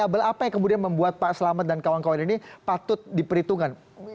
dobel apa yang kemudian membuat pak selamat dan kawan kawan ini patut diperhitungkan